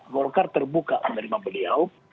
golkar terbuka menerima beliau